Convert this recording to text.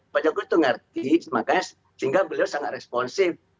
pak jokowi itu mengerti makanya sehingga beliau sangat responsif